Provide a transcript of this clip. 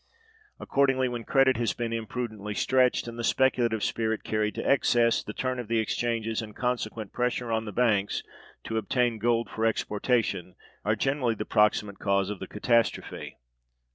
Accordingly, when credit has been imprudently stretched, and the speculative spirit carried to excess, the turn of the exchanges and consequent pressure on the banks to obtain gold for exportation are generally the proximate cause of the catastrophe.